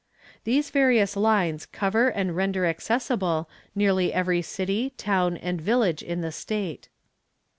These various lines cover and render accessible nearly every city, town and village in the state.